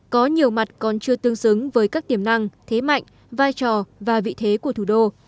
có nhiều mặt còn chưa tương xứng với các tiềm năng thế mạnh vai trò và vị thế của thủ đô